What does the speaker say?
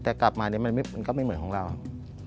แต่กลับมาเนี่ยมันก็ไม่เหมือนของเราครับ